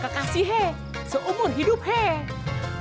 kekasih hei seumur hidup hei